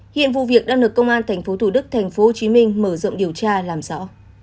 hiện vụ việc đang được công an tp thủ đức tp hcm mở rộng điều tra làm rõ